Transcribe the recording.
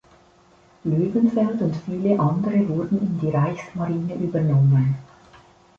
Loewenfeld und viele andere wurden in die Reichsmarine übernommen.